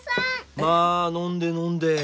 まあ飲んで飲んで。